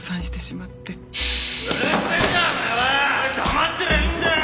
黙ってりゃいいんだよ！